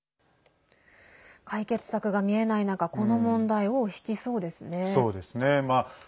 解決策が見えない中この問題、尾を引きそうですね。